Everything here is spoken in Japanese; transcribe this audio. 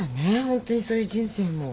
ホントにそういう人生も。